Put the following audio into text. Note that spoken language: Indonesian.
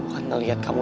bukan salah kamu